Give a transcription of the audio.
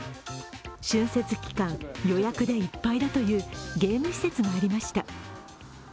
春節期間、予約でいっぱいだというゲーム施設がありました。